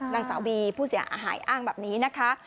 นางสาวบีผู้เสียหายอ้างแบบนี้นะคะ